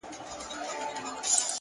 هره لاسته راوړنه د زحمت ثبوت دی